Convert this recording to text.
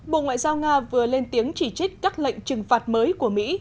bộ ngoại giao nga vừa lên tiếng chỉ trích các lệnh trừng phạt mới của mỹ